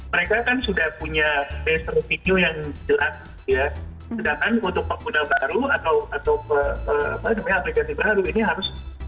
mereka kan sudah punya base revenue yang jelas ya sedangkan untuk pengguna baru atau aplikasi baru ini harus ngejar kesana gitu